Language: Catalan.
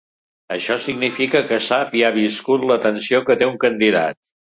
Això significa que sap i ha viscut la tensió que té un candidat.